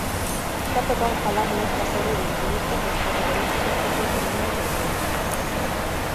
Xa tocaba falar nesta serie de entrevista coas protagonistas do fútbol feminino costeiro.